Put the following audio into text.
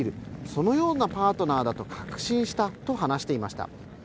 そのようなパートナーだと確信したと話していました。